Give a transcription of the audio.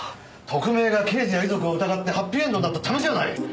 特命が刑事や遺族を疑ってハッピーエンドになったためしがない。